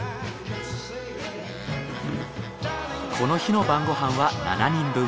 この日の晩ご飯は７人分。